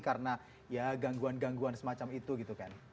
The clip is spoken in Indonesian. karena ya gangguan gangguan semacam itu gitu kan